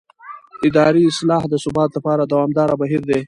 اداري اصلاح د ثبات لپاره دوامداره بهیر دی